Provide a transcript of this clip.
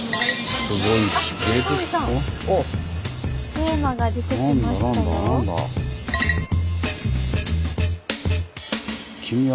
テーマが出てきましたよ。